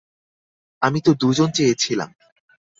আমি তো দুজন চেয়েছিলাম?